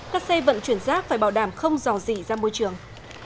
các xe vận chuyển rác phải bảo đảm không dò dỉ ra môi trường